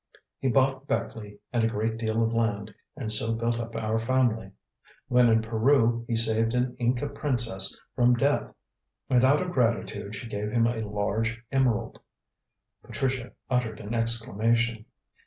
He bought Beckleigh and a great deal of land, and so built up our family. When in Peru he saved an Inca princess from death, and out of gratitude she gave him a large emerald." Patricia uttered an exclamation.